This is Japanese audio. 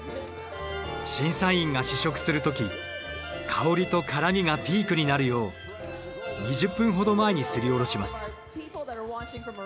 審査員が試食する時香りと辛みがピークになるよう２０分ほど前にすりおろします。